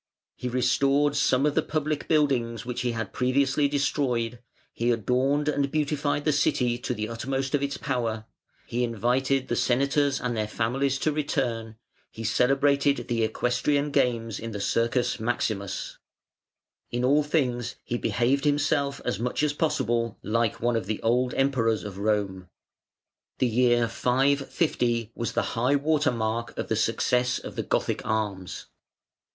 He restored some of the public buildings which he had previously destroyed; he adorned and beautified the City to the utmost of his power; he invited the Senators and their families to return; he celebrated the equestrian games in the Circus Maximus: in all things he behaved himself as much as possible like one of the old Emperors of Rome. The year 550 was the high water mark of the success of the Gothic arms.